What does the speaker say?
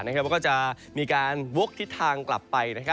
แล้วก็จะมีการวกทิศทางกลับไป